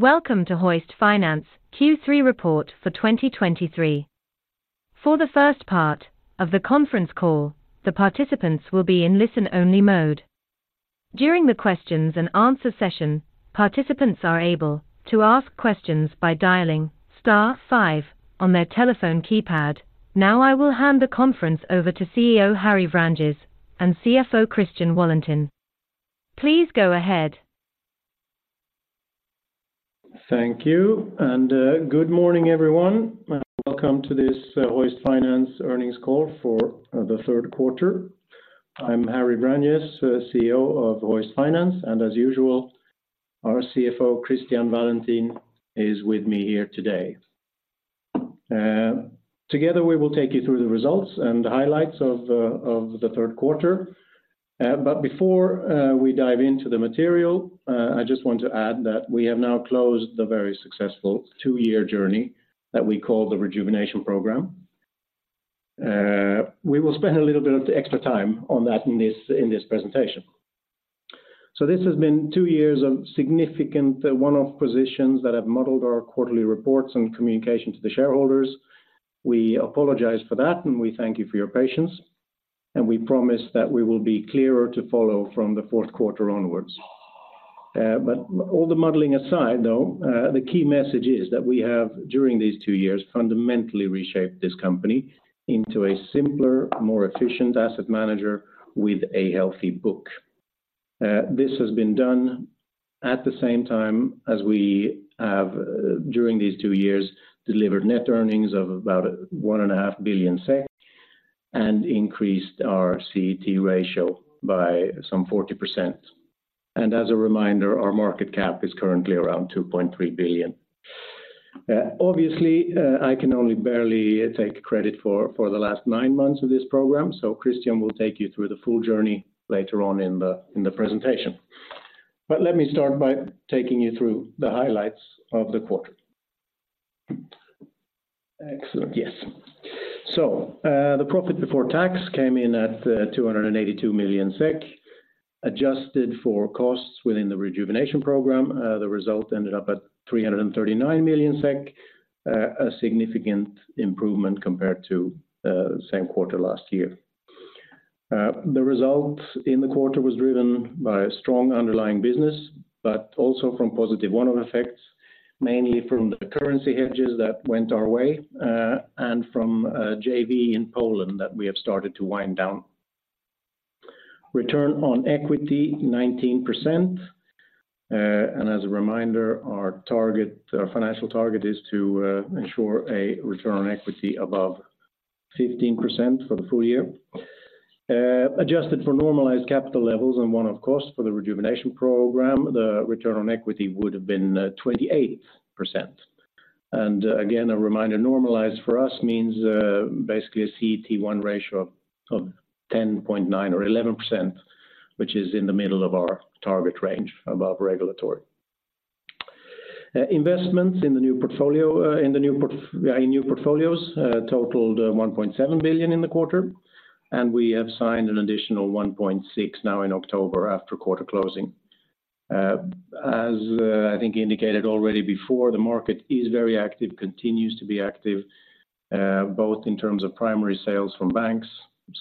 Welcome to Hoist Finance Q3 Report for 2023. For the first part of the conference call, the participants will be in listen-only mode. During the questions and answer session, participants are able to ask questions by dialing star five on their telephone keypad. Now, I will hand the conference over to CEO Harry Vranjes and CFO Christian Wallentin. Please go ahead. Thank you, and, good morning, everyone. Welcome to this Hoist Finance earnings call for the third quarter. I'm Harry Vranjes, CEO of Hoist Finance, and as usual, our CFO, Christian Wallentin, is with me here today. Together, we will take you through the results and the highlights of the third quarter. But before we dive into the material, I just want to add that we have now closed the very successful two-year journey that we call the Rejuvenation Program. We will spend a little bit of extra time on that in this presentation. So this has been two years of significant one-off positions that have modeled our quarterly reports and communication to the shareholders. We apologize for that, and we thank you for your patience, and we promise that we will be clearer to follow from the fourth quarter onwards. But all the modeling aside, though, the key message is that we have, during these two years, fundamentally reshaped this company into a simpler, more efficient asset manager with a healthy book. This has been done at the same time as we have, during these two years, delivered net earnings of about 1.5 billion, and increased our CET1 ratio by some 40%. And as a reminder, our market cap is currently around 2.3 billion. Obviously, I can only barely take credit for the last nine months of this program, so Christian will take you through the full journey later on in the presentation. But let me start by taking you through the highlights of the quarter. Excellent. Yes. The profit before tax came in at 282 million SEK, adjusted for costs within the Rejuvenation Program. The result ended up at 339 million SEK, a significant improvement compared to the same quarter last year. The result in the quarter was driven by a strong underlying business, but also from positive one-off effects, mainly from the currency hedges that went our way, and from a JV in Poland that we have started to wind down. Return on equity, 19%. As a reminder, our target, our financial target is to ensure a return on equity above 15% for the full year. Adjusted for normalized capital levels and one-off cost for the Rejuvenation Program, the return on equity would have been 28%. And again, a reminder, normalized for us means basically a CET1 ratio of 10.9% or 11%, which is in the middle of our target range above regulatory. Investments in new portfolios totaled 1.7 billion in the quarter, and we have signed an additional 1.6 billion now in October after quarter closing. As I think indicated already before, the market is very active, continues to be active, both in terms of primary sales from banks,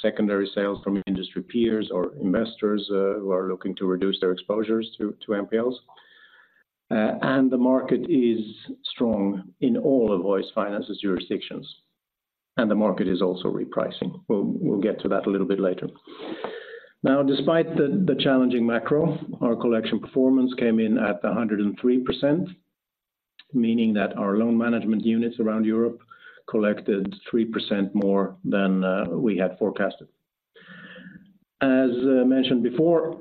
secondary sales from industry peers or investors who are looking to reduce their exposures to NPLs. And the market is strong in all of Hoist Finance's jurisdictions, and the market is also repricing. We'll get to that a little bit later. Now, despite the challenging macro, our collection performance came in at 103%, meaning that our loan management units around Europe collected 3% more than we had forecasted. As mentioned before,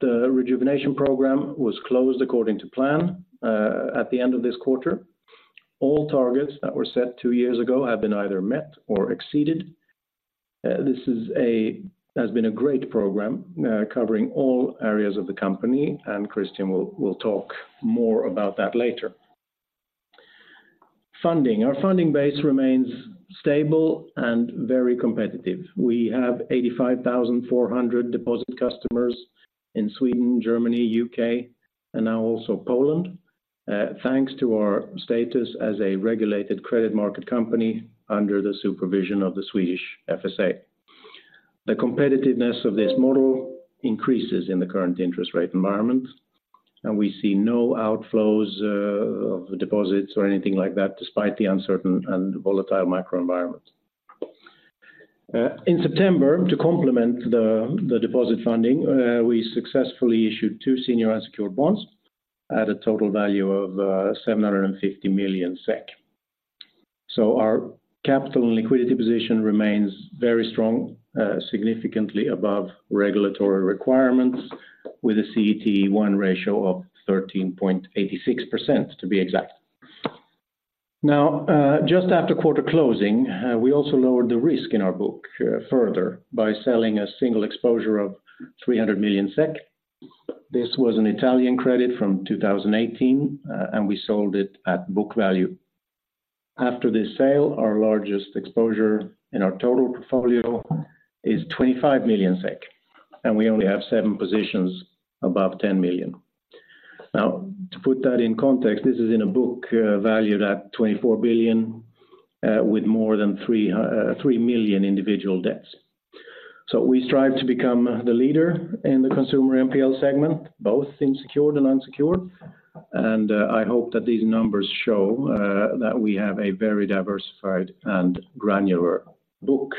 the Rejuvenation Program was closed according to plan at the end of this quarter. All targets that were set two years ago have been either met or exceeded. This is a... has been a great program, covering all areas of the company, and Christian will talk more about that later. Funding. Our funding base remains stable and very competitive. We have 85,400 deposit customers in Sweden, Germany, U.K., and now also Poland, thanks to our status as a regulated credit market company under the supervision of the Swedish FSA. The competitiveness of this model increases in the current interest rate environment, and we see no outflows of deposits or anything like that, despite the uncertain and volatile macro environment. In September, to complement the deposit funding, we successfully issued two senior unsecured bonds at a total value of 750 million SEK. So our capital and liquidity position remains very strong, significantly above regulatory requirements, with a CET1 ratio of 13.86%, to be exact. Now, just after quarter closing, we also lowered the risk in our book further by selling a single exposure of 300 million SEK. This was an Italian credit from 2018, and we sold it at book value. After the sale, our largest exposure in our total portfolio is 25 million SEK, and we only have seven positions above 10 million. Now, to put that in context, this is in a book valued at 24 billion with more than 3 million individual debts. So we strive to become the leader in the consumer NPL segment, both in secured and unsecured. And, I hope that these numbers show that we have a very diversified and granular book.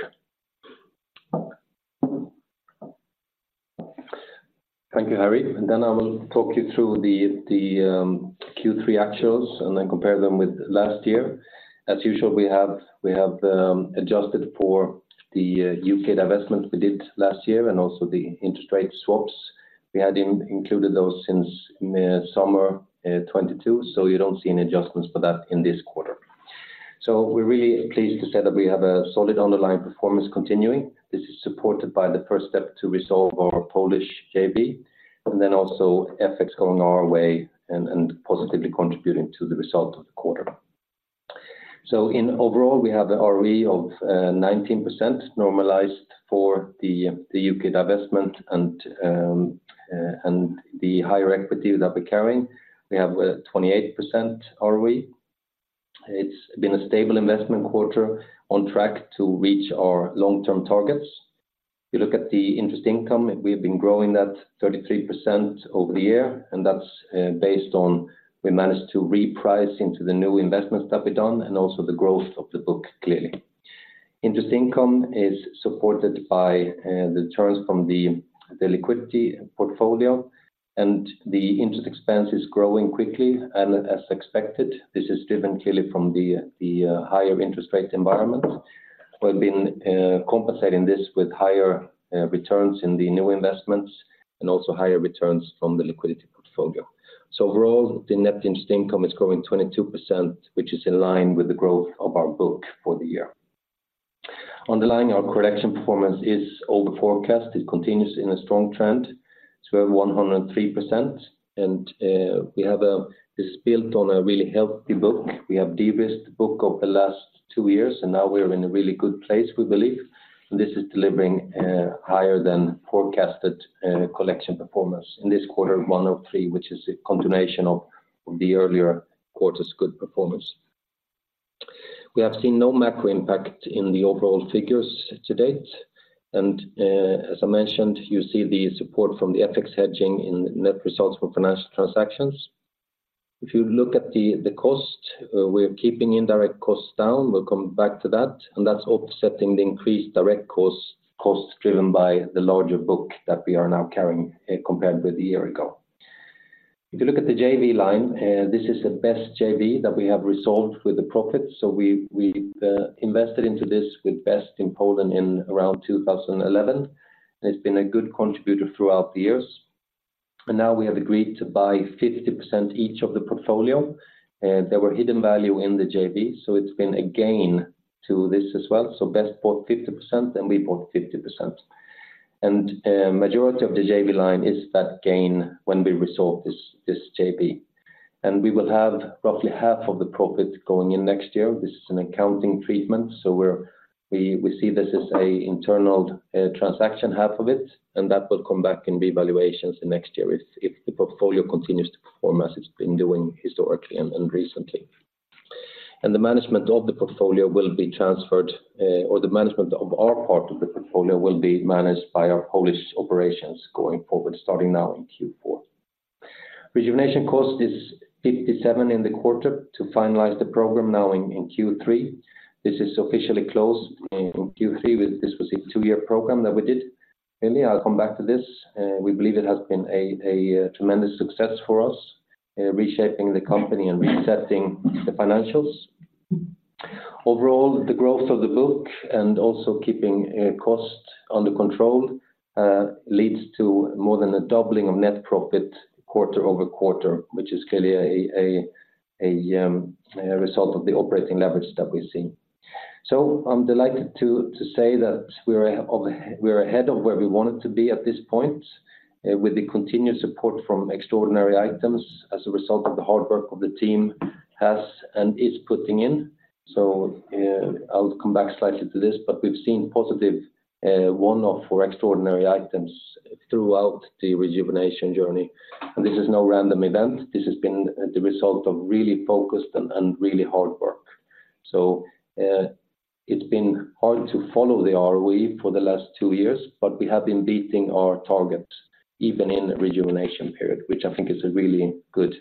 Thank you, Harry. I will talk you through the Q3 actuals and then compare them with last year. As usual, we have adjusted for the U.K. divestment we did last year, and also the interest rate swaps. We had included those since summer 2022, so you do not see any adjustments for that in this quarter. We are really pleased to say that we have a solid underlying performance continuing. This is supported by the first step to resolve our Polish JV, and also FX going our way and positively contributing to the result of the quarter. Overall, we have the ROE of 19% normalized for the U.K. divestment and the higher equity that we are carrying. We have 28% ROE. It's been a stable investment quarter on track to reach our long-term targets. If you look at the interest income, we've been growing that 33% over the year, and that's based on we managed to reprice into the new investments that we've done and also the growth of the book, clearly. Interest income is supported by the returns from the liquidity portfolio, and the interest expense is growing quickly and as expected. This is driven clearly from the higher interest rate environment. We've been compensating this with higher returns in the new investments and also higher returns from the liquidity portfolio. So overall, the net interest income is growing 22%, which is in line with the growth of our book for the year. Underlying our collection performance is over forecast. It continues in a strong trend, so we have 103%, and, we have, this built on a really healthy book. We have de-risked the book over the last two years, and now we are in a really good place, we believe. This is delivering, higher than forecasted, collection performance. In this quarter, 103%, which is a continuation of, of the earlier quarter's good performance. We have seen no macro impact in the overall figures to date, and, as I mentioned, you see the support from the FX hedging in net results for financial transactions. If you look at the, the cost, we're keeping indirect costs down. We'll come back to that, and that's offsetting the increased direct costs, costs driven by the larger book that we are now carrying, compared with a year ago. If you look at the JV line, this is the best JV that we have resolved with a profit. So we invested into this with BEST in Poland in around 2011. It's been a good contributor throughout the years, and now we have agreed to buy 50% each of the portfolio. There were hidden value in the JV, so it's been a gain to this as well. So BEST bought 50%, and we bought 50%. And majority of the JV line is that gain when we resolve this JV. And we will have roughly half of the profit going in next year. This is an accounting treatment, so we see this as an internal transaction, half of it, and that will come back in revaluations next year if the portfolio continues to perform as it's been doing historically and recently. The management of the portfolio will be transferred, or the management of our part of the portfolio will be managed by our Polish operations going forward, starting now in Q4. Rejuvenation cost is 57 million in the quarter to finalize the program now in Q3. This is officially closed in Q3. This was a two-year program that we did. Really, I'll come back to this. We believe it has been a tremendous success for us, reshaping the company and resetting the financials. Overall, the growth of the book and also keeping costs under control leads to more than a doubling of net profit quarter-over-quarter, which is clearly a result of the operating leverage that we've seen. So I'm delighted to say that we're ahead of where we wanted to be at this point, with the continued support from extraordinary items as a result of the hard work of the team has and is putting in. So I'll come back slightly to this, but we've seen positive one-off for extraordinary items throughout the Rejuvenation journey. And this is no random event. This has been the result of really focused and really hard work. So, it's been hard to follow the ROE for the last two years, but we have been beating our target, even in the Rejuvenation period, which I think is a really good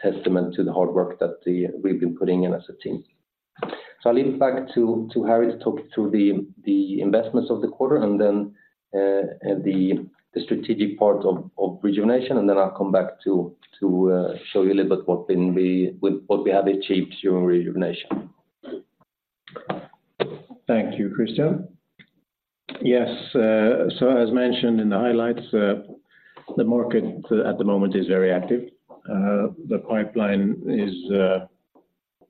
testament to the hard work that we've been putting in as a team. So I'll leave it back to Harry to talk you through the investments of the quarter and then the strategic part of Rejuvenation, and then I'll come back to show you a little bit what been the... What we have achieved during Rejuvenation. Thank you, Christian. Yes, so as mentioned in the highlights, the market at the moment is very active. The pipeline is,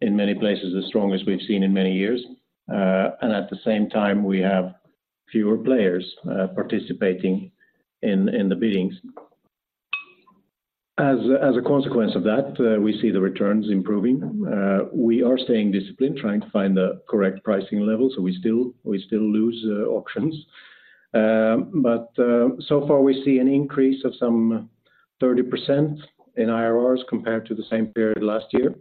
in many places, the strongest we've seen in many years. And at the same time, we have fewer players participating in the biddings. As a consequence of that, we see the returns improving. We are staying disciplined, trying to find the correct pricing level, so we still lose auctions. But so far, we see an increase of some 30% in IRRs compared to the same period last year.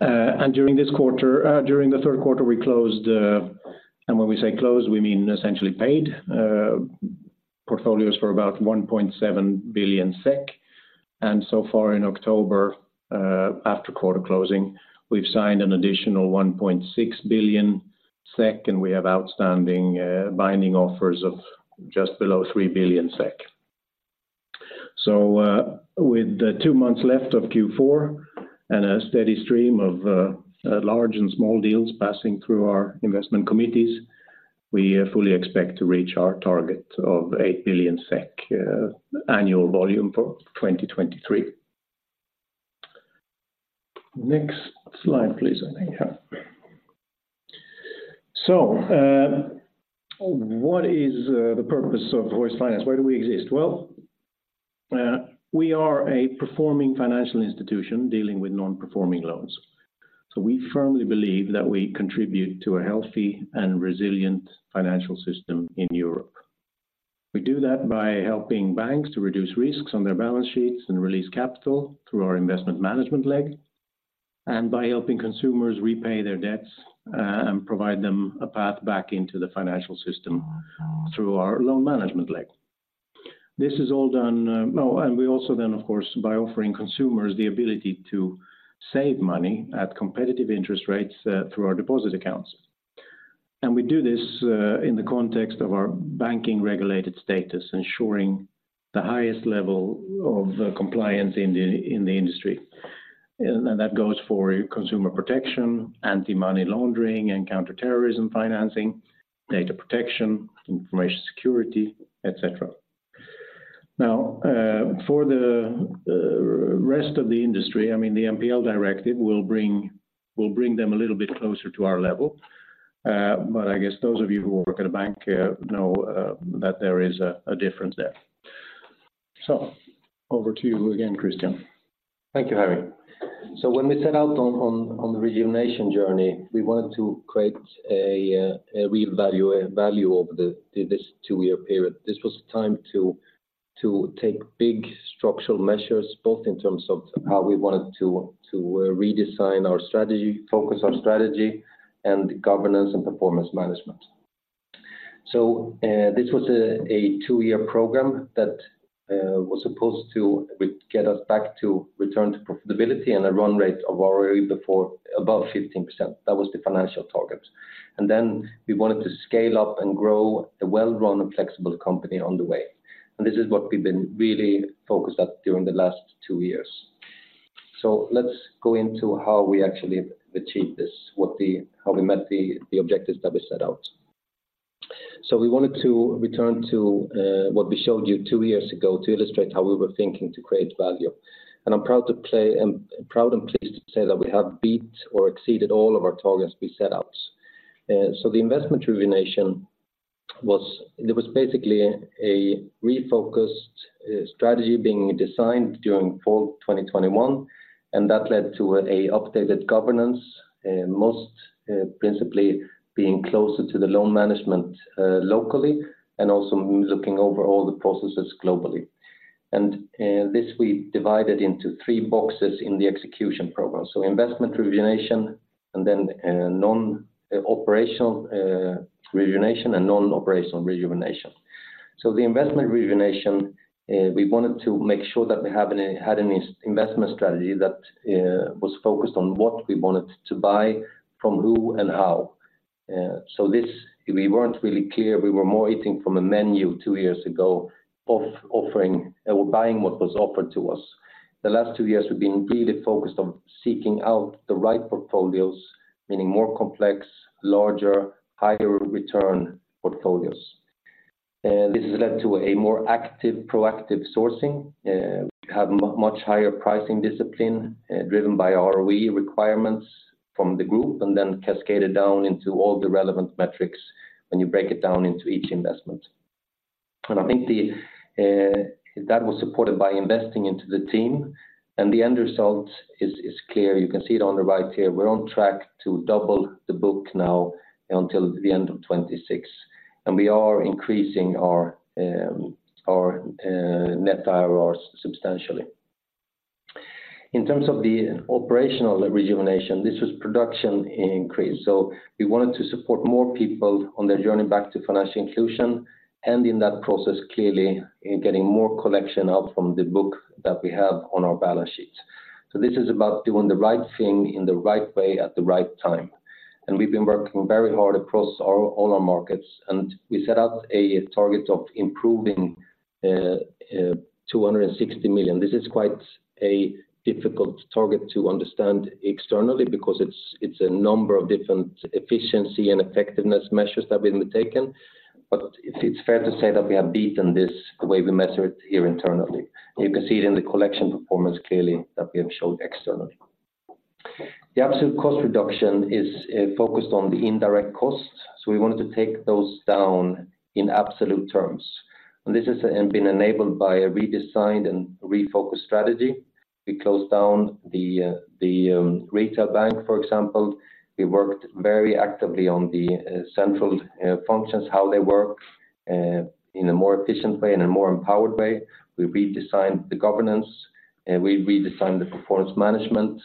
And during this quarter, during the third quarter, we closed, and when we say closed, we mean essentially paid, portfolios for about 1.7 billion SEK. So far in October, after quarter closing, we've signed an additional 1.6 billion SEK, and we have outstanding binding offers of just below 3 billion SEK. So, with two months left of Q4 and a steady stream of large and small deals passing through our investment committees, we fully expect to reach our target of 8 billion SEK annual volume for 2023. Next slide, please. I think, yeah. So, what is the purpose of Hoist Finance? Why do we exist? Well, we are a performing financial institution dealing with non-performing loans. So we firmly believe that we contribute to a healthy and resilient financial system in Europe. We do that by helping banks to reduce risks on their balance sheets and release capital through our investment management leg, and by helping consumers repay their debts, and provide them a path back into the financial system through our loan management leg. This is all done. Oh, and we also then, of course, by offering consumers the ability to save money at competitive interest rates, through our deposit accounts. And we do this, in the context of our banking regulated status, ensuring the highest level of compliance in the industry. And that goes for consumer protection, anti-money laundering and counter-terrorism financing, data protection, information security, et cetera. Now, for the rest of the industry, I mean, the NPL Directive will bring, will bring them a little bit closer to our level. But I guess those of you who work at a bank know that there is a difference there. So over to you again, Christian. Thank you, Harry. So when we set out on the Rejuvenation journey, we wanted to create a real value, a value over this two-year period. This was time to take big structural measures, both in terms of how we wanted to redesign our strategy, focus our strategy, and governance and performance management. So this was a two-year program that was supposed to get us back to return to profitability and a run rate of ROE before above 15%. That was the financial targets. And then we wanted to scale up and grow a well-run and flexible company on the way. And this is what we've been really focused on during the last two years. So let's go into how we actually achieved this, what the how we met the objectives that we set out. So we wanted to return to what we showed you two years ago to illustrate how we were thinking to create value. And I'm proud to play, and proud and pleased to say that we have beat or exceeded all of our targets we set out. So the Investment Rejuvenation was... It was basically a refocused strategy being designed during fall 2021, and that led to an updated governance, most principally being closer to the loan management locally, and also looking over all the processes globally. And this we divided into three boxes in the execution program. So Investment Rejuvenation, and then Non-operational Rejuvenation, and Non-operational Rejuvenation. So the Investment Rejuvenation we wanted to make sure that we have an, had an investment strategy that was focused on what we wanted to buy, from who, and how. So this, we weren't really clear. We were more eating from a menu two years ago, of offering or buying what was offered to us. The last two years, we've been really focused on seeking out the right portfolios, meaning more complex, larger, higher return portfolios. This has led to a more active, proactive sourcing. We have much higher pricing discipline, driven by ROE requirements from the group, and then cascaded down into all the relevant metrics when you break it down into each investment. And I think that was supported by investing into the team, and the end result is clear. You can see it on the right here. We're on track to double the book now until the end of 2026, and we are increasing our net IRRs substantially. In terms of the Operational Rejuvenation, this was production increase. We wanted to support more people on their journey back to financial inclusion, and in that process, clearly, getting more collection out from the book that we have on our balance sheet. This is about doing the right thing in the right way, at the right time. We've been working very hard across all our markets, and we set out a target of improving 260 million. This is quite a difficult target to understand externally, because it's a number of different efficiency and effectiveness measures that we've taken. It's fair to say that we have beaten this the way we measure it here internally. You can see it in the collection performance clearly that we have showed externally.... The absolute cost reduction is focused on the indirect costs, so we wanted to take those down in absolute terms. And this has been enabled by a redesigned and refocused strategy. We closed down the retail bank, for example. We worked very actively on the central functions, how they work in a more efficient way, in a more empowered way. We redesigned the governance, and we redesigned the performance management.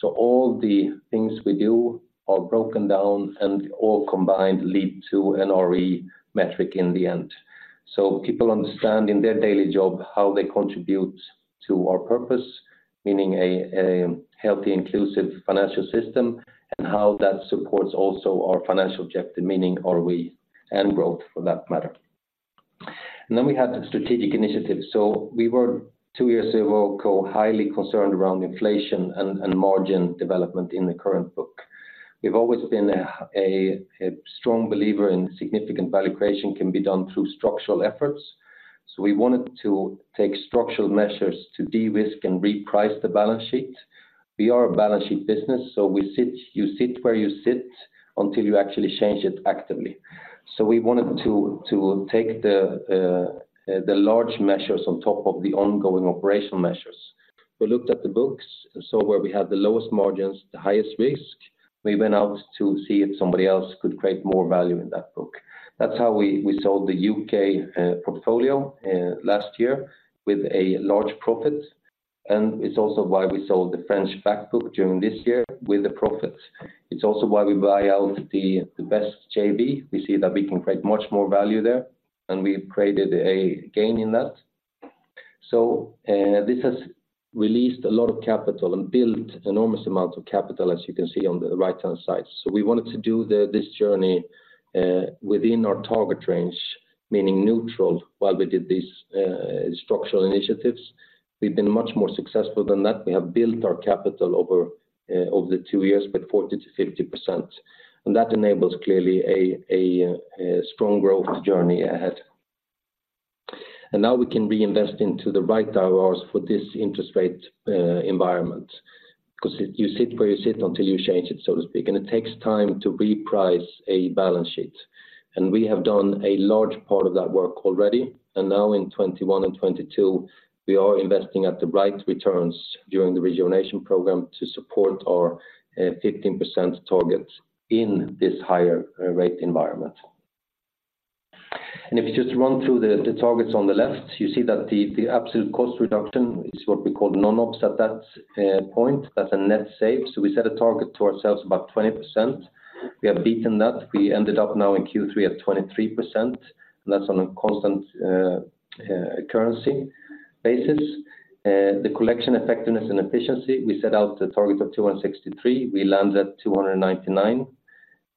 So all the things we do are broken down and all combined lead to an ROE metric in the end. So people understand in their daily job how they contribute to our purpose, meaning a healthy, inclusive financial system, and how that supports also our financial objective, meaning ROE and growth for that matter. And then we had the strategic initiatives. So we were two years ago, highly concerned around inflation and margin development in the current book. We've always been a strong believer in significant value creation can be done through structural efforts. So we wanted to take structural measures to de-risk and reprice the balance sheet. We are a balance sheet business, so we sit, you sit where you sit until you actually change it actively. So we wanted to take the large measures on top of the ongoing operational measures. We looked at the books, and so where we had the lowest margins, the highest risk, we went out to see if somebody else could create more value in that book. That's how we, we sold the UK portfolio last year with a large profit, and it's also why we sold the French back book during this year with a profit. It's also why we buy out the BEST JV. We see that we can create much more value there, and we created a gain in that. So this has released a lot of capital and built enormous amounts of capital, as you can see on the right-hand side. So we wanted to do this journey within our target range, meaning neutral, while we did these structural initiatives. We've been much more successful than that. We have built our capital over the two years by 40%-50%. And that enables clearly a strong growth journey ahead. And now we can reinvest into the right dollars for this interest rate environment, because you sit where you sit until you change it, so to speak, and it takes time to reprice a balance sheet. And we have done a large part of that work already, and now in 2021 and 2022, we are investing at the right returns during the Rejuvenation Program to support our 15% target in this higher rate environment. And if you just run through the targets on the left, you see that the absolute cost reduction is what we call non-ops at that point. That's a net save. So we set a target to ourselves about 20%. We have beaten that. We ended up now in Q3 at 23%, and that's on a constant currency basis. The collection effectiveness and efficiency, we set out the target of 263. We landed at 299.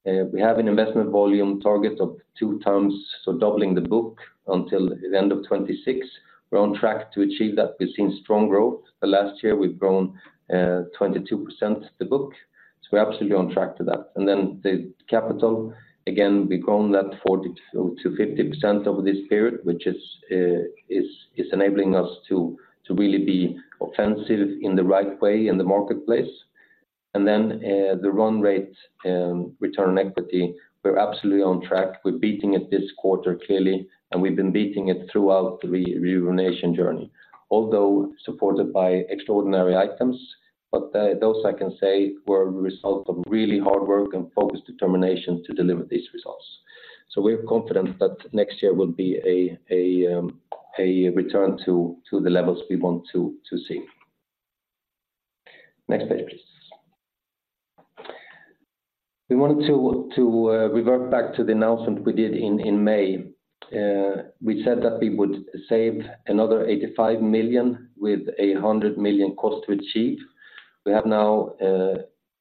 We have an investment volume target of 2x, so doubling the book until the end of 2026. We're on track to achieve that. We've seen strong growth. Last year, we've grown 22% the book, so we're absolutely on track to that. And then the capital, again, we've grown that 40%-50% over this period, which is enabling us to really be offensive in the right way in the marketplace. And then, the run rate return on equity, we're absolutely on track. We're beating it this quarter, clearly, and we've been beating it throughout the Rejuvenation journey. Although supported by extraordinary items, those I can say were a result of really hard work and focused determination to deliver these results. So we're confident that next year will be a return to the levels we want to see. Next page, please. We wanted to revert back to the announcement we did in May. We said that we would save another 85 million with a 100 million cost to achieve. We have now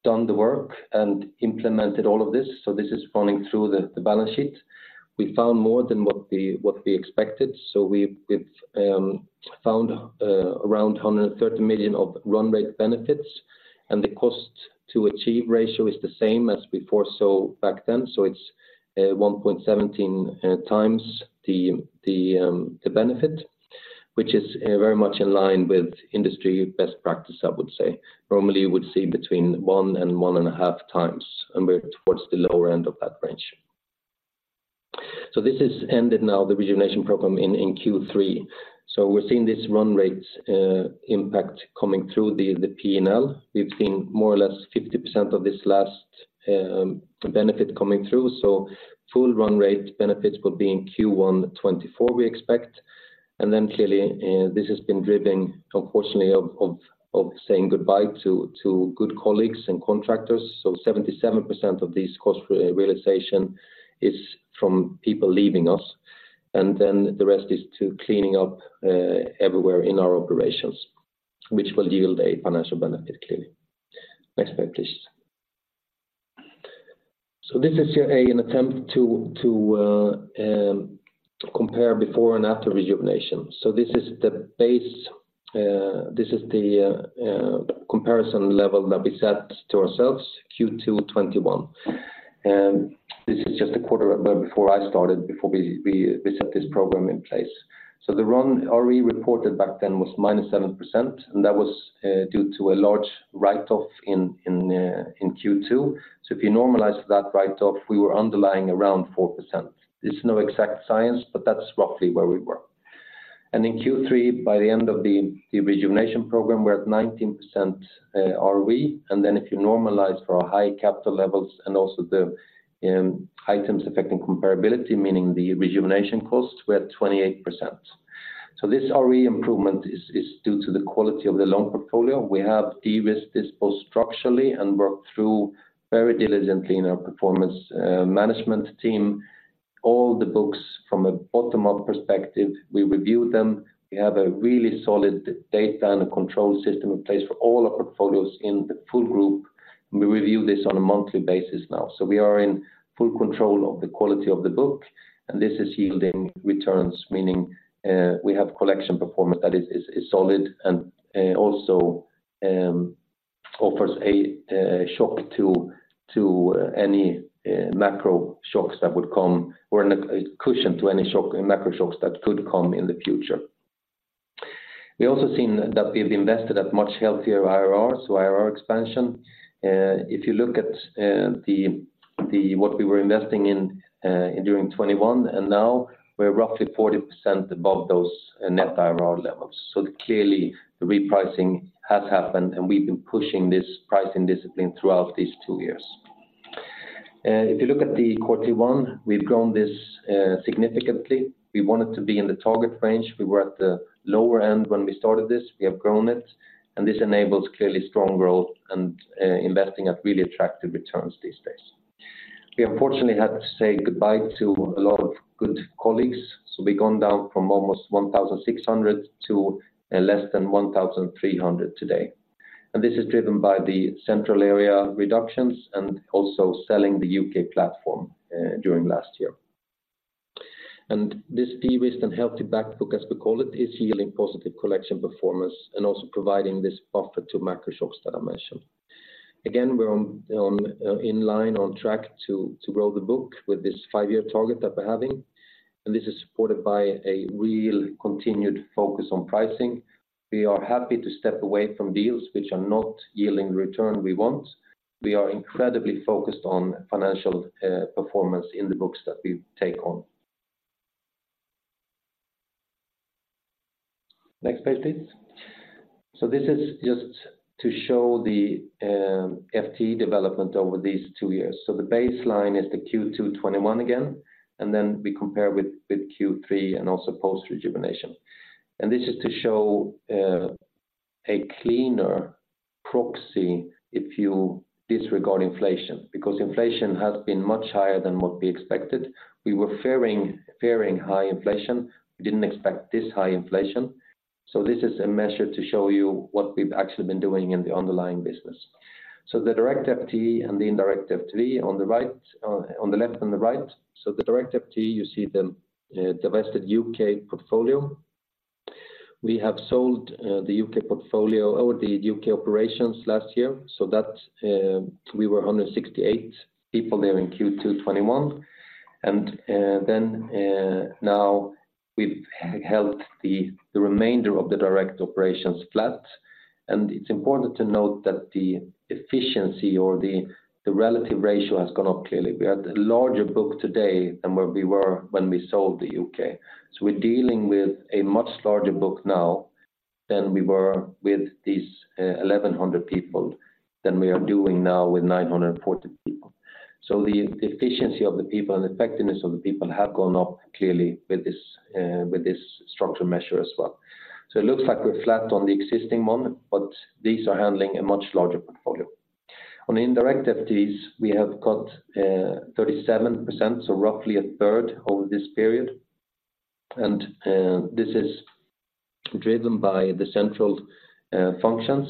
done the work and implemented all of this, so this is running through the balance sheet. We found more than what we expected, so we've found around 130 million of run rate benefits, and the cost to achieve ratio is the same as before, so back then. So it's 1.17x the benefit, which is very much in line with industry best practice, I would say. Normally, you would see between 1x and 1.5x, and we're towards the lower end of that range. So this has ended now, the Rejuvenation Program in Q3. So we're seeing this run rate impact coming through the PNL. We've seen more or less 50% of this last benefit coming through, so full run rate benefits will be in Q1 2024, we expect. And then clearly this has been driven, unfortunately, of saying goodbye to good colleagues and contractors. So 77% of this cost realization is from people leaving us, and then the rest is to cleaning up everywhere in our operations, which will yield a financial benefit, clearly. Next page, please. So this is an attempt to compare before and after Rejuvenation. So this is the base, this is the comparison level that we set to ourselves, Q2 2021. And this is just a quarter before I started, before we set this program in place. So the run ROE reported back then was -7%, and that was due to a large write-off in Q2. So if you normalize that write-off, we were underlying around 4%. There's no exact science, but that's roughly where we were. And in Q3, by the end of the Rejuvenation Program, we're at 19% ROE. And then if you normalize for our high capital levels and also the items affecting comparability, meaning the Rejuvenation costs, we're at 28%. So this ROE improvement is due to the quality of the loan portfolio. We have de-risked this both structurally and worked through very diligently in our performance, management team. All the books from a bottom-up perspective, we review them. We have a really solid data and a control system in place for all our portfolios in the full group, and we review this on a monthly basis now. So we are in full control of the quality of the book, and this is yielding returns, meaning, we have collection performance that is solid and also offers a shock to any macro shocks that would come, or a cushion to any macro shocks that could come in the future. We also seen that we've invested at much healthier IRRs, so IRR expansion. If you look at the... What we were investing in during 2021, and now we're roughly 40% above those net IRR levels. So clearly, the repricing has happened, and we've been pushing this pricing discipline throughout these two years. If you look at the quarterly one, we've grown this significantly. We want it to be in the target range. We were at the lower end when we started this. We have grown it, and this enables clearly strong growth and investing at really attractive returns these days. We unfortunately had to say goodbye to a lot of good colleagues, so we've gone down from almost 1,600 to less than 1,300 today. And this is driven by the central area reductions and also selling the U.K. platform during last year. This de-risked and healthy back book, as we call it, is yielding positive collection performance and also providing this buffer to macro shocks that I mentioned. Again, we're in line, on track to grow the book with this five-year target that we're having, and this is supported by a real continued focus on pricing. We are happy to step away from deals which are not yielding return we want. We are incredibly focused on financial performance in the books that we take on. Next page, please. So this is just to show the FTE development over these two years. So the baseline is the Q2 2021 again, and then we compare with Q3 and also post-Rejuvenation. And this is to show a cleaner proxy if you disregard inflation, because inflation has been much higher than what we expected. We were fearing, fearing high inflation. We didn't expect this high inflation. So this is a measure to show you what we've actually been doing in the underlying business. So the direct FTE and the indirect FTE on the right, on the left and the right. So the direct FTE, you see the divested UK portfolio. We have sold the UK portfolio or the UK operations last year, so that we were 168 people there in Q2 2021. And then now we've held the remainder of the direct operations flat. And it's important to note that the efficiency or the relative ratio has gone up clearly. We have a larger book today than where we were when we sold the UK. So we're dealing with a much larger book now than we were with these, 1,100 people, than we are doing now with 940 people. So the efficiency of the people and effectiveness of the people have gone up clearly with this, with this structural measure as well. So it looks like we're flat on the existing model, but these are handling a much larger portfolio. On the indirect FTEs, we have cut, 37%, so roughly 1/3 this period. And, this is driven by the central, functions.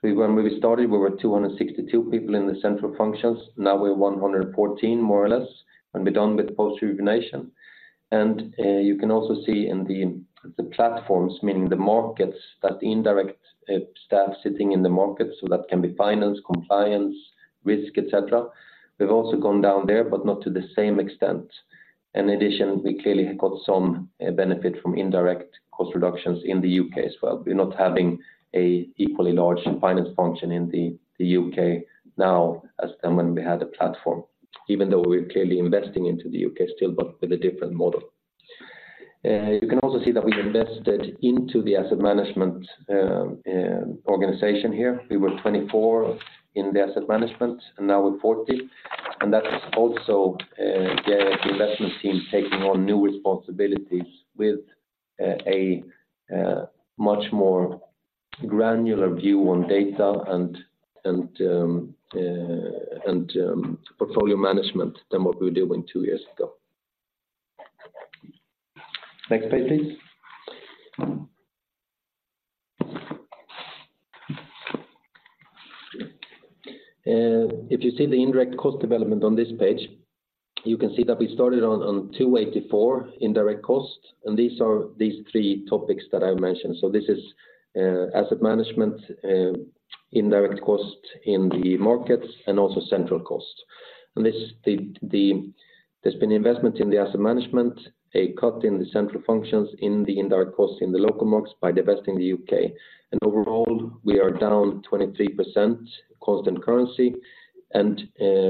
So when we started, we were 262 people in the central functions. Now we're 114, more or less, when we're done with the post-Rejuvenation. And, you can also see in the platforms, meaning the markets, that the indirect staff sitting in the market, so that can be finance, compliance, risk, et cetera. We've also gone down there, but not to the same extent. In addition, we clearly got some benefit from indirect cost reductions in the U.K. as well. We're not having an equally large finance function in the U.K. now as when we had the platform, even though we're clearly investing into the U.K. still, but with a different model. You can also see that we invested into the asset management organization here. We were 24 in the asset management, and now we're 40. That is also the investment team taking on new responsibilities with a much more granular view on data and portfolio management than what we were doing two years ago. Next page, please. If you see the indirect cost development on this page, you can see that we started on 284 indirect costs, and these are these three topics that I mentioned. So this is asset management, indirect costs in the markets and also central costs. And this, there's been investment in the asset management, a cut in the central functions in the indirect costs in the local markets by divesting the UK. And overall, we are down 23% constant currency, and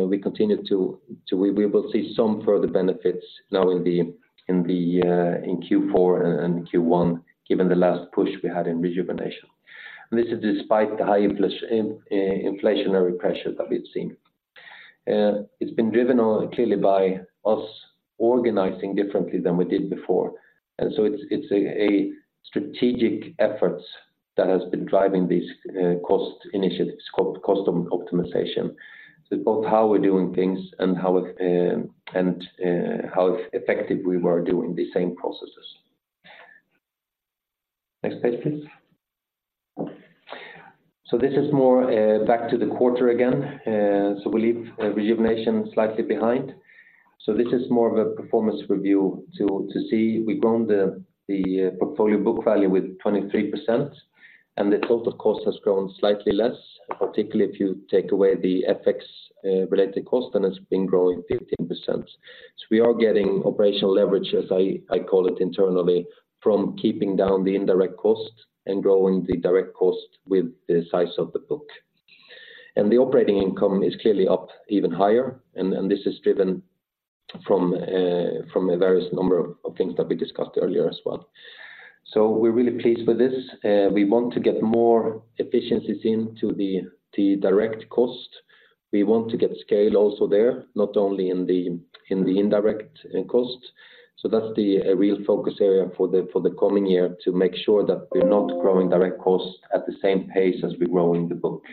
we continue to we will see some further benefits now in the in the in Q4 and Q1, given the last push we had in Rejuvenation. And this is despite the high inflationary pressures that we've seen. It's been driven on clearly by us organizing differently than we did before. And so it's a strategic efforts that has been driving these cost initiatives, cost optimization. So both how we're doing things and how it and how effective we were doing the same processes. Next page, please. So this is more back to the quarter again. So we leave Rejuvenation slightly behind. So this is more of a performance review to see. We've grown the portfolio book value with 23%, and the total cost has grown slightly less, particularly if you take away the FX, related cost, and it's been growing 15%. So we are getting operational leverage, as I call it internally, from keeping down the indirect cost and growing the direct cost with the size of the book. And the operating income is clearly up even higher, and this is driven from a various number of things that we discussed earlier as well. So we're really pleased with this. We want to get more efficiencies into the direct cost. We want to get scale also there, not only in the indirect end cost. So that's the real focus area for the coming year, to make sure that we're not growing direct costs at the same pace as we're growing the book.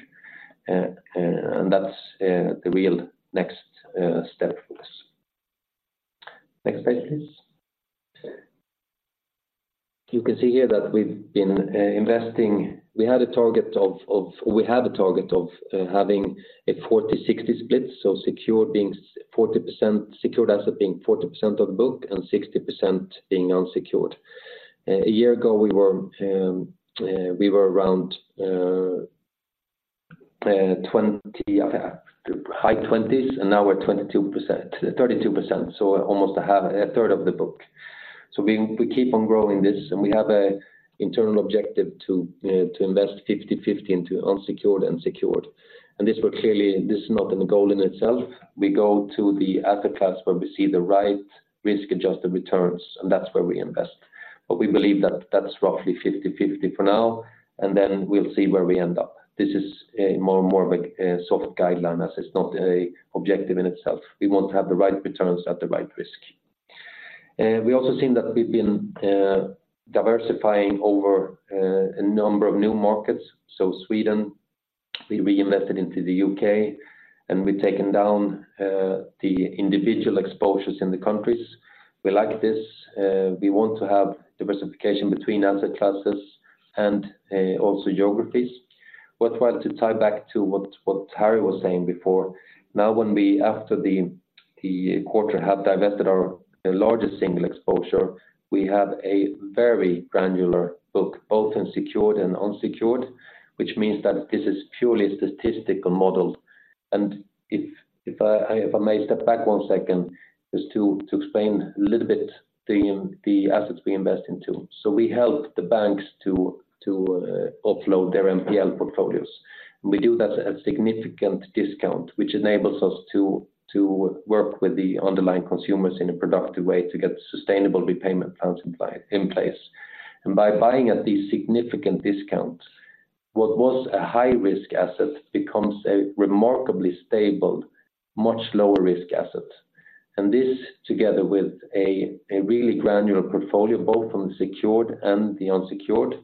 And that's the real next step for us. Next page, please. You can see here that we've been investing. We have a target of having a 40-60 split, so secured being 40%, secured asset being 40% of the book and 60% being unsecured. A year ago, we were around high twenties, and now we're 22%, 32%, so almost 1/2, 1/3 of the book. So we keep on growing this, and we have an internal objective to invest 50/50 into unsecured and secured. This will clearly, this is not a goal in itself. We go to the asset class where we see the right risk-adjusted returns, and that's where we invest. But we believe that that's roughly 50/50 for now, and then we'll see where we end up. This is more and more of a soft guideline, as it's not an objective in itself. We want to have the right returns at the right risk. We also seen that we've been diversifying over a number of new markets. So Sweden, we reinvested into the U.K., and we've taken down the individual exposures in the countries. We like this. We want to have diversification between asset classes and also geographies. But while to tie back to what Harry was saying before, now when we, after the quarter, have divested our largest single exposure, we have a very granular book, both in secured and unsecured, which means that this is purely statistically modeled. And if I may step back one second, just to explain a little bit the assets we invest into. So we help the banks to offload their NPL portfolios. We do that at significant discount, which enables us to work with the underlying consumers in a productive way to get sustainable repayment plans in place. And by buying at these significant discounts, what was a high-risk asset becomes a remarkably stable, much lower risk asset. This, together with a really granular portfolio, both from the secured and the unsecured,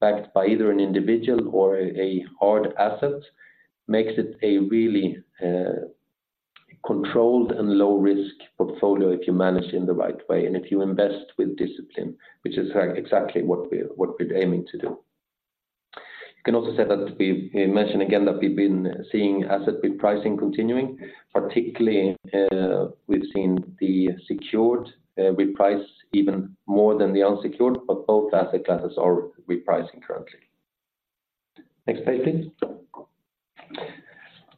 backed by either an individual or a hard asset, makes it a really controlled and low-risk portfolio if you manage in the right way and if you invest with discipline, which is exactly what we're aiming to do. You can also say that we mention again that we've been seeing asset bid pricing continuing. Particularly, we've seen the secured reprice even more than the unsecured, but both asset classes are repricing currently. Next page, please.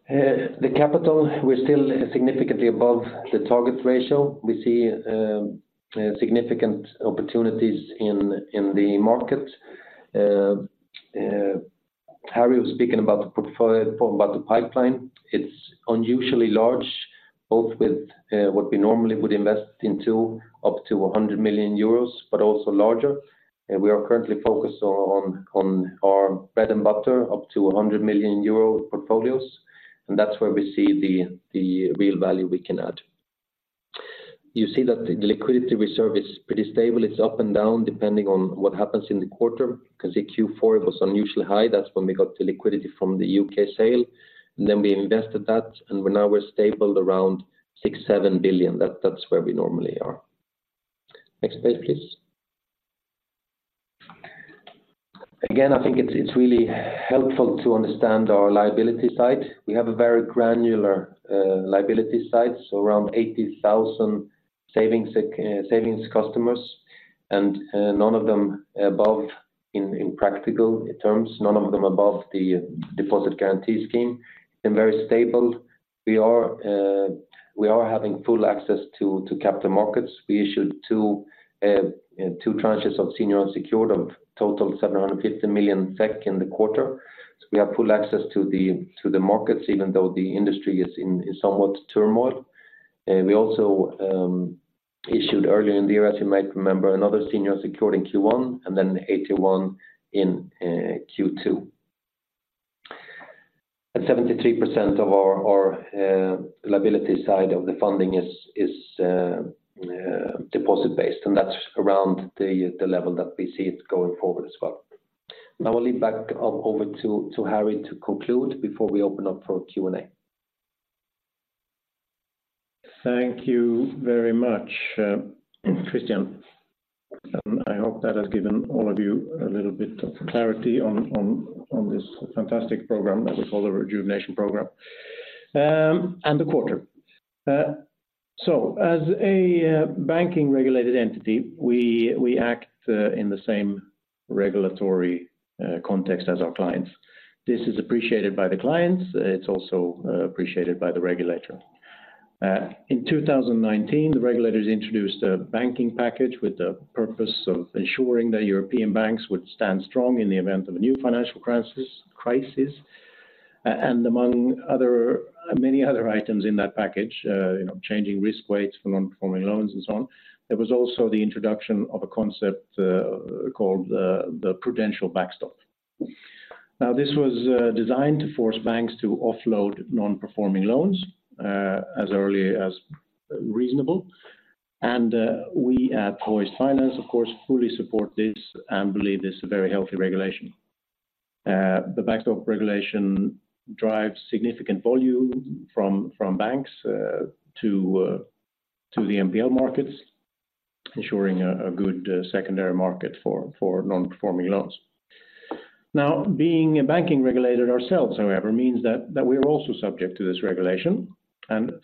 The capital, we're still significantly above the target ratio. We see significant opportunities in the market. Harry was speaking about the portfolio, about the pipeline. It's unusually large, both with what we normally would invest into, up to 100 million euros, but also larger. We are currently focused on our bread and butter, up to 100 million euro portfolios, and that's where we see the real value we can add. You see that the liquidity reserve is pretty stable. It's up and down, depending on what happens in the quarter, because the Q4 was unusually high. That's when we got the liquidity from the U.K. sale, and then we invested that, and now we're stable around 6 billion-7 billion. That's where we normally are. Next page, please... Again, I think it's really helpful to understand our liability side. We have a very granular liability side, so around 80,000 savings customers, and none of them above, in practical terms, none of them above the Deposit Guarantee Scheme, and very stable. We are having full access to capital markets. We issued two tranches of senior unsecured of total 750 million SEK in the quarter. So we have full access to the markets, even though the industry is in somewhat turmoil. We also issued earlier in the year, as you might remember, another senior secured in Q1 and then 81 million in Q2. 73% of our liability side of the funding is deposit-based, and that's around the level that we see it going forward as well. Now, I'll leave back over to Harry to conclude before we open up for Q&A. Thank you very much, Christian. I hope that has given all of you a little bit of clarity on this fantastic program that we call the Rejuvenation Program, and the quarter. So as a banking regulated entity, we act in the same regulatory context as our clients. This is appreciated by the clients, it's also appreciated by the regulator. In 2019, the regulators introduced a banking package with the purpose of ensuring that European banks would stand strong in the event of a new financial crisis. And among other, many other items in that package, you know, changing risk weights for non-performing loans and so on, there was also the introduction of a concept called the Prudential Backstop. Now, this was designed to force banks to offload non-performing loans as early as reasonable. And we at Hoist Finance, of course, fully support this and believe it's a very healthy regulation. The Backstop Regulation drives significant volume from banks to the NPL markets, ensuring a good secondary market for non-performing loans. Now, being a banking regulator ourselves, however, means that we are also subject to this regulation, and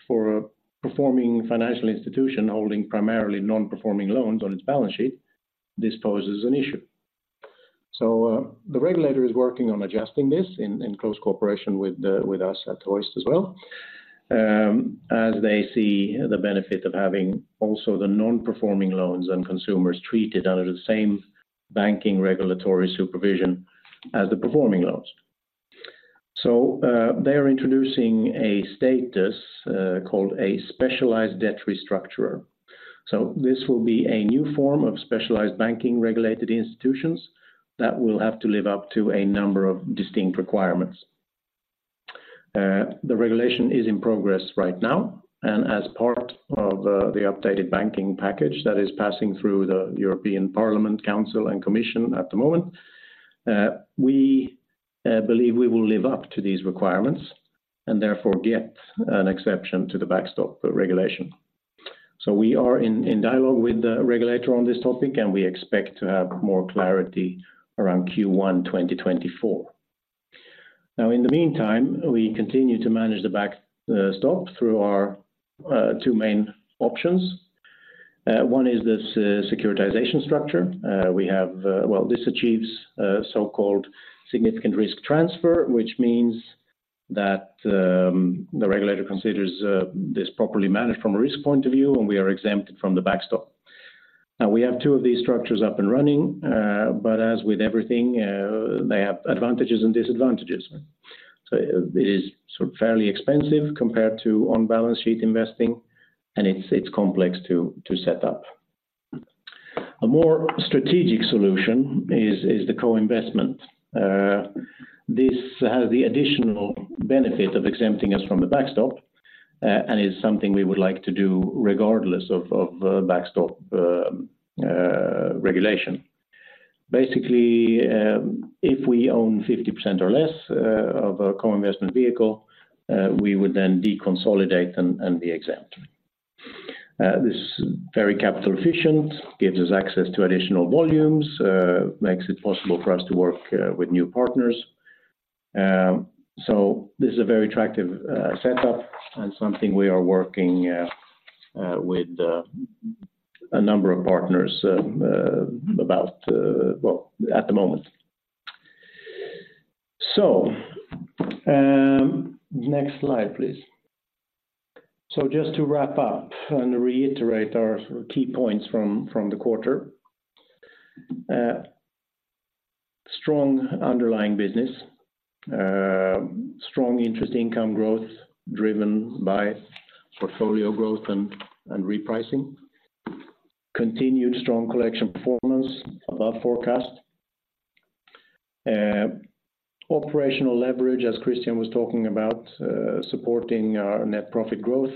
for a performing financial institution holding primarily non-performing loans on its balance sheet, this poses an issue. So, the regulator is working on adjusting this in close cooperation with us at Hoist as well, as they see the benefit of having also the non-performing loans and consumers treated under the same banking regulatory supervision as the performing loans. So, they are introducing a status called a Specialized Debt Restructurer. So this will be a new form of specialized banking regulated institutions that will have to live up to a number of distinct requirements. The regulation is in progress right now, and as part of the updated banking package that is passing through the European Parliament, Council and Commission at the moment, we believe we will live up to these requirements and therefore, get an exception to the Backstop Regulation. So we are in dialogue with the regulator on this topic, and we expect to have more clarity around Q1 2024. Now, in the meantime, we continue to manage the Backstop through our two main options. One is this securitization structure. Well, this achieves a so-called Significant Risk Transfer, which means that the regulator considers this properly managed from a risk point of view, and we are exempted from the Backstop. Now, we have two of these structures up and running, but as with everything, they have advantages and disadvantages. So it is sort of fairly expensive compared to on-balance sheet investing, and it's complex to set up. A more strategic solution is the co-investment. This has the additional benefit of exempting us from the Backstop, and is something we would like to do regardless of Backstop regulation. Basically, if we own 50% or less of a co-investment vehicle, we would then deconsolidate and be exempt. This is very capital efficient, gives us access to additional volumes, makes it possible for us to work with new partners. So this is a very attractive setup and something we are working with a number of partners about, well, at the moment. So, next slide, please. So just to wrap up and reiterate our key points from the quarter. Strong underlying business, strong interest income growth driven by portfolio growth and repricing. Continued strong collection performance above forecast. Operational leverage, as Christian was talking about, supporting our net profit growth.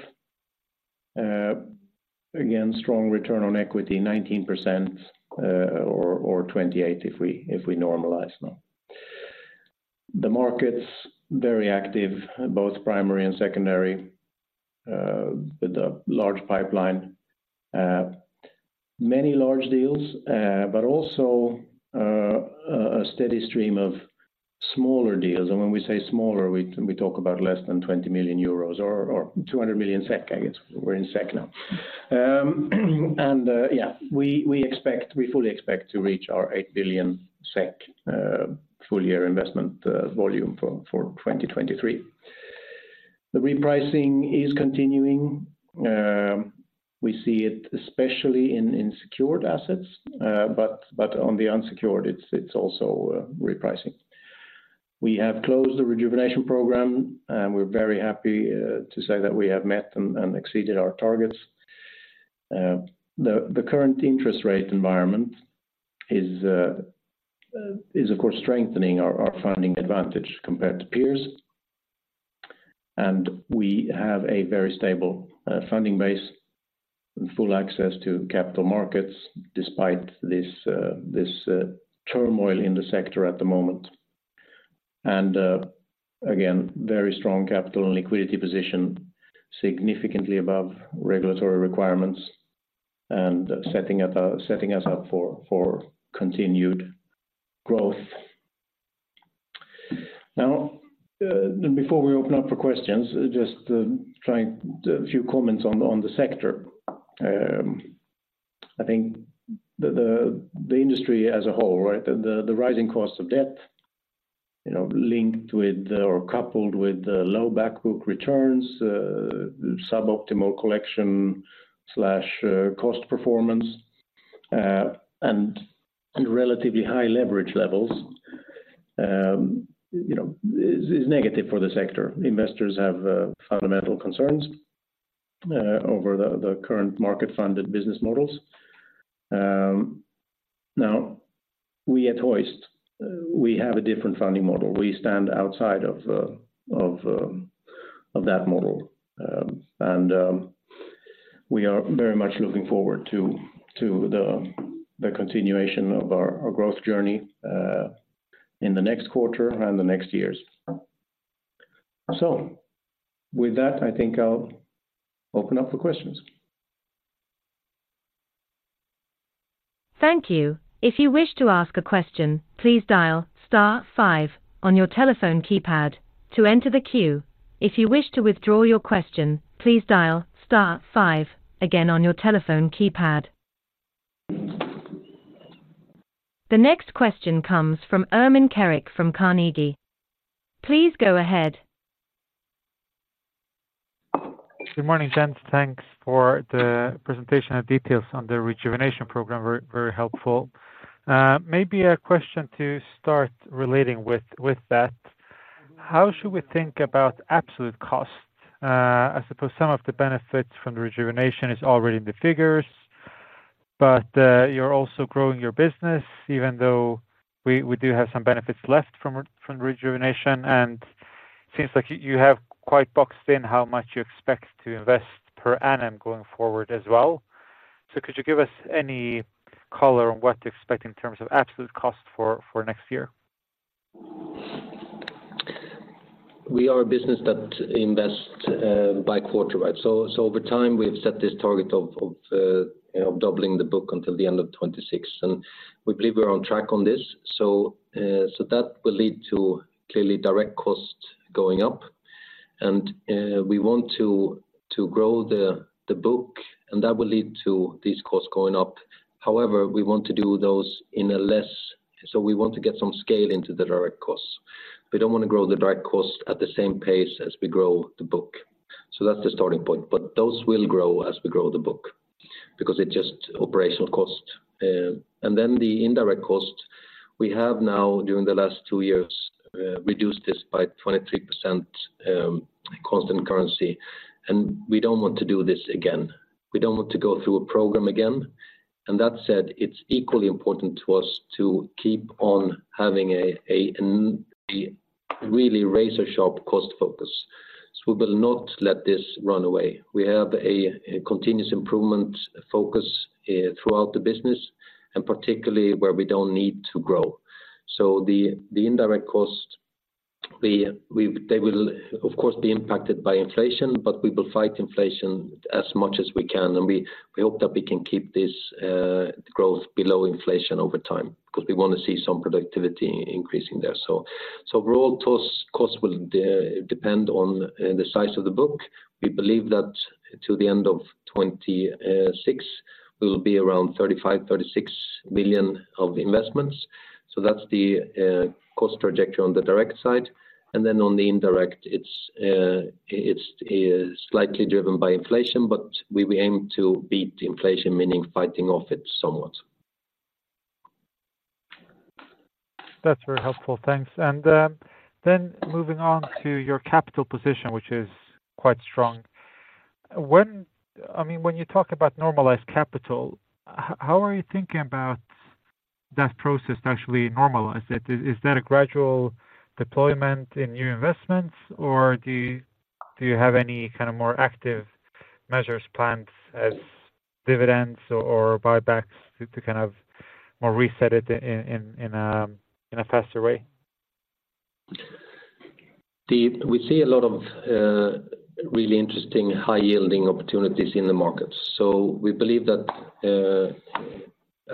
Again, strong return on equity, 19%, or 28%, if we normalize now.... The market's very active, both primary and secondary, with a large pipeline. Many large deals, but also a steady stream of smaller deals. When we say smaller, we talk about less than 20 million euros or 200 million SEK, I guess. We're in SEK now. We fully expect to reach our 8 billion SEK full-year investment volume for 2023. The repricing is continuing. We see it especially in secured assets, but on the unsecured, it's also repricing. We have closed the Rejuvenation Program, and we're very happy to say that we have met and exceeded our targets. The current interest rate environment is of course strengthening our funding advantage compared to peers. And we have a very stable funding base and full access to capital markets despite this turmoil in the sector at the moment. And again, very strong capital and liquidity position, significantly above regulatory requirements and setting us up for continued growth. Now, and before we open up for questions, just trying a few comments on the sector. I think the industry as a whole, right, the rising cost of debt, you know, linked with or coupled with the low back book returns, suboptimal collection slash cost performance, and relatively high leverage levels, you know, is negative for the sector. Investors have fundamental concerns over the current market-funded business models. Now, we at Hoist, we have a different funding model. We stand outside of that model. We are very much looking forward to the continuation of our growth journey in the next quarter and the next years. With that, I think I'll open up for questions. Thank you. If you wish to ask a question, please dial star five on your telephone keypad to enter the queue. If you wish to withdraw your question, please dial star five again on your telephone keypad. The next question comes from Ermin Keric from Carnegie. Please go ahead. Good morning, gents. Thanks for the presentation and details on the Rejuvenation Program. Very, very helpful. Maybe a question to start relating with that. How should we think about absolute cost? I suppose some of the benefits from the Rejuvenation Program is already in the figures, but you're also growing your business, even though we do have some benefits left from the Rejuvenation Program, and seems like you have quite boxed in how much you expect to invest per annum going forward as well. So could you give us any color on what to expect in terms of absolute cost for next year? We are a business that invest by quarter, right? So over time, we have set this target of you know, doubling the book until the end of 2026, and we believe we're on track on this. So that will lead to clearly direct costs going up. And we want to grow the book, and that will lead to these costs going up. However, we want to do those in a less... So we want to get some scale into the direct costs. We don't want to grow the direct costs at the same pace as we grow the book. So that's the starting point. But those will grow as we grow the book, because it's just operational cost. And then the indirect cost, we have now during the last two years reduced this by 23% constant currency. We don't want to do this again. We don't want to go through a program again. That said, it's equally important to us to keep on having a really razor-sharp cost focus. So we will not let this run away. We have a continuous improvement focus throughout the business, and particularly where we don't need to grow. So the indirect cost, they will, of course, be impacted by inflation, but we will fight inflation as much as we can, and we hope that we can keep this growth below inflation over time, because we want to see some productivity increasing there. So overall costs will depend on the size of the book. We believe that to the end of 2026, we will be around 35 billion-36 billion of investments. So that's the cost trajectory on the direct side. And then on the indirect, it's slightly driven by inflation, but we will aim to beat inflation, meaning fighting off it somewhat. That's very helpful. Thanks. And then moving on to your capital position, which is quite strong. I mean, when you talk about normalized capital, how are you thinking about that process to actually normalize it? Is that a gradual deployment in new investments, or do you have any kind of more active measures plans as dividends or buybacks to kind of more reset it in a faster way? We see a lot of really interesting high yielding opportunities in the markets. So we believe that,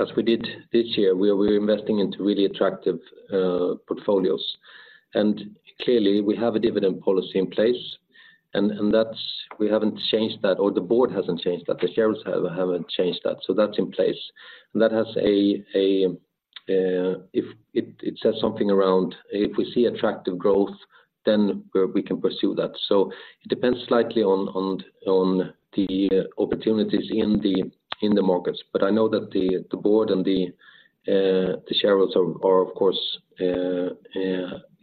as we did this year, we are, we're investing into really attractive portfolios. And clearly, we have a dividend policy in place, and that's, we haven't changed that, or the board hasn't changed that, the shareholders haven't changed that. So that's in place. That has a, if it, it says something around, if we see attractive growth, then we, we can pursue that. So it depends slightly on, on, on the opportunities in the, in the markets. But I know that the, the board and the shareholders are, are of course...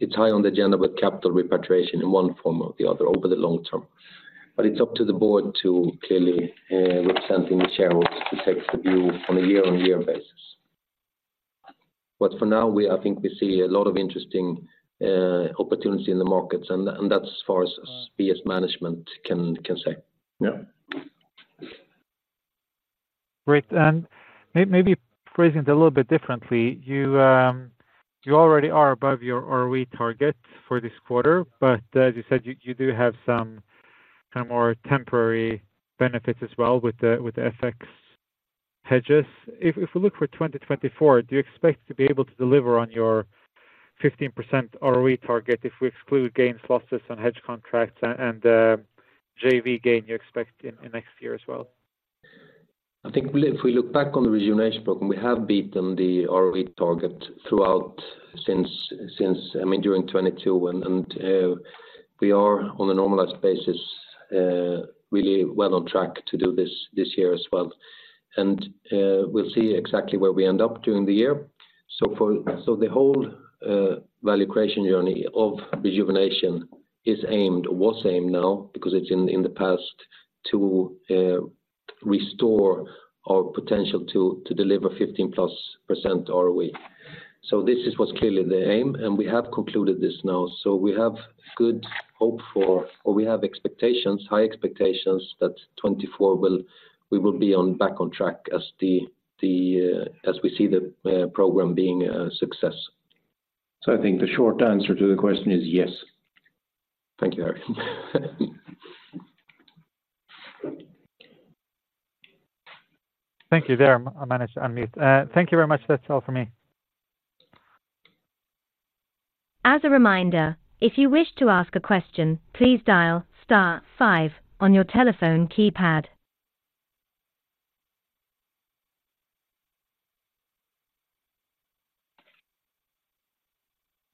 It's high on the agenda with capital repatriation in one form or the other over the long term. But it's up to the board to clearly with something the shareholders to take the view on a year-on-year basis. But for now, we I think we see a lot of interesting opportunities in the markets, and, and that's as far as we as management can, can say. Yeah. Great. And maybe phrasing it a little bit differently, you, you already are above your ROE target for this quarter, but, as you said, you, you do have some kind of more temporary benefits as well with the, with the FX hedges. If we look for 2024, do you expect to be able to deliver on your 15% ROE target, if we exclude gains, losses on hedge contracts and JV gain you expect in next year as well? I think if we look back on the Rejuvenation Program, we have beaten the ROE target throughout, since, I mean, during 2022, and we are on a normalized basis, really well on track to do this this year as well. And we'll see exactly where we end up during the year. So the whole value creation journey of Rejuvenation is aimed, or was aimed now, because it's in the past, to restore our potential to deliver 15%+ ROE. So this is what's clearly the aim, and we have concluded this now. So we have good hope for, or we have expectations, high expectations, that 2024 we will be back on track as we see the program being a success. I think the short answer to the question is yes. Thank you, Eric. Thank you. There, I managed to unmute. Thank you very much. That's all for me. As a reminder, if you wish to ask a question, please dial star five on your telephone keypad.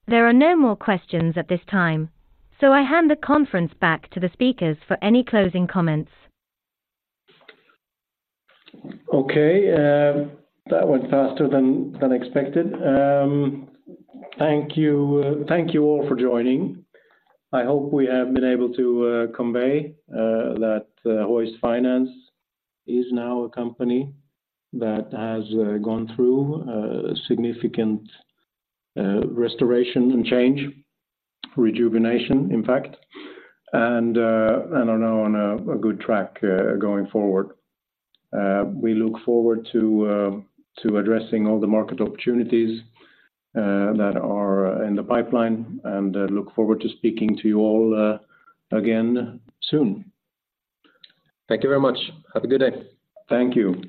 There are no more questions at this time, so I hand the conference back to the speakers for any closing comments. Okay, that went faster than expected. Thank you, thank you all for joining. I hope we have been able to convey that Hoist Finance is now a company that has gone through significant restoration and change, Rejuvenation, in fact, and are now on a good track going forward. We look forward to addressing all the market opportunities that are in the pipeline, and look forward to speaking to you all again soon. Thank you very much. Have a good day. Thank you.